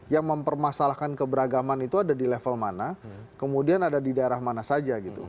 yang mempermasalahkan keberagaman itu ada di level mana kemudian ada di daerah mana saja gitu